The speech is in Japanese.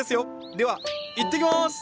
ではいってきます！